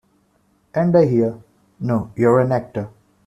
And I hear: "No, you're an actor".